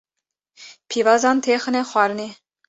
pîvazan têxine xwarinê